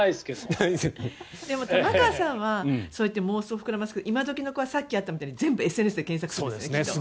でも、玉川さんはそうやって妄想を膨らませるけど今どきの子はさっきあったみたいに全部ＳＮＳで検索する。